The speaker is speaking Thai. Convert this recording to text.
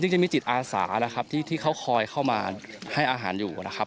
จริงมีจิตอาสานะครับที่เขาคอยเข้ามาให้อาหารอยู่นะครับ